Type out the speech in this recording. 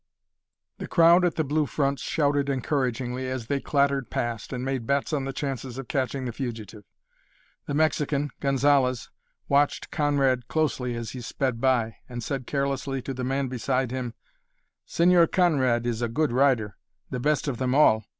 The crowd at the Blue Front shouted encouragingly as they clattered past, and made bets on the chances of catching the fugitive. The Mexican, Gonzalez, watched Conrad closely as he sped by, and said carelessly to the man beside him, "Señor Conrad is a good rider, the best of them all.